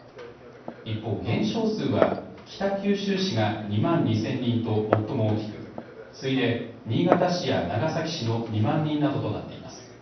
一方、減少数は北九州市が２万２０００人と最も大きく次いで新潟市や長崎市の２万人などとなっています。